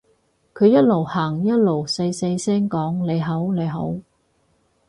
佢一路行一路細細聲講你好你好